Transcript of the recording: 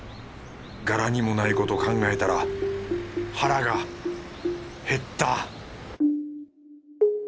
柄にもないこと考えたら腹が減った